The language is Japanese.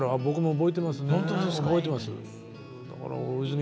覚えてます。